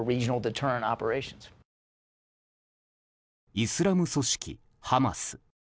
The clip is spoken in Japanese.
イスラム組織ハマス。